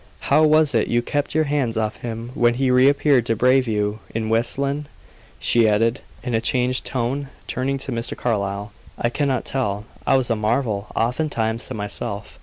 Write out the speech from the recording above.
How was it you kept your hands off him, when he reappeared, to brave you, in West Lynne?" she added, in a changed tone, turning to Mr. Carlyle. "I cannot tell. I was a marvel oftentimes to myself."